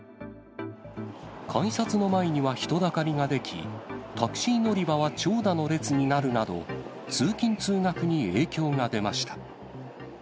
改札の前には人だかりが出来、タクシー乗り場は長蛇の列になるなど、通勤・通学に影響が出ました。